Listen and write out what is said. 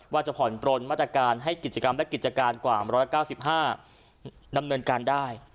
ว่าจะผ่อนปลนมาตรการให้กิจกรรมและกิจการกว่า๑๙๕ดำเนินการได้